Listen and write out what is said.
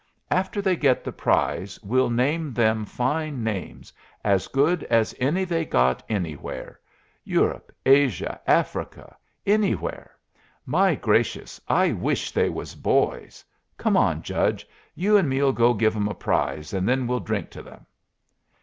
After they get the prize we'll name them fine names, as good as any they got anywhere Europe, Asia, Africa anywhere. My gracious! I wish they was boys. Come on, judge! You and me'll go give 'em a prize, and then we'll drink to 'em."